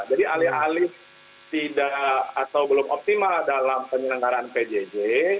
jadi alih alih tidak atau belum optimal dalam penyelenggaraan pjj